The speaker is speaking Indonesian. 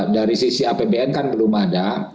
dari sisi apbn kan belum ada